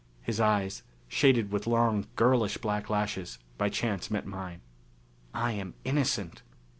His eyes, shaded with long girlish black lashes, by chance met mine. "I am innocent."